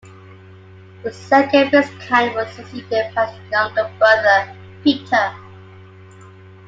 The second Viscount was succeeded by his younger brother, Peter.